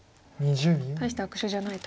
大した悪手じゃないと。